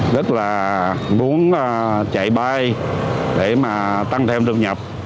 rất là muốn chạy bay để mà tăng thêm thu nhập